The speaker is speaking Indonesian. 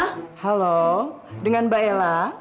halo dengan mbak ella